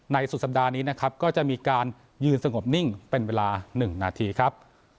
สุดสัปดาห์นี้นะครับก็จะมีการยืนสงบนิ่งเป็นเวลา๑นาทีครับ